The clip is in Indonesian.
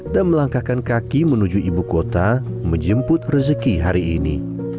dan melangkahkan kaki menuju ibu kota menjemput rezeki hari ini